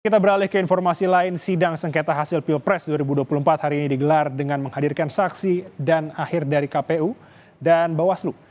kita beralih ke informasi lain sidang sengketa hasil pilpres dua ribu dua puluh empat hari ini digelar dengan menghadirkan saksi dan akhir dari kpu dan bawaslu